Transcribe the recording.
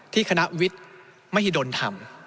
ที่คณะวิศมหิดลทำ